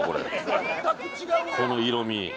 この色味。